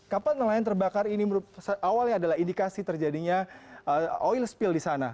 kapal nelayan terbakar ini awalnya adalah indikasi terjadinya oil spill di sana